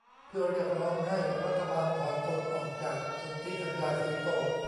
เพื่อเรียกร้องให้รัฐบาลถอนตนออกจากสนธิสัญญาซีโต้